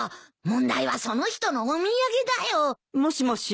問題はその人のお土産だよ。もしもし。